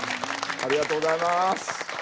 ありがとうございます。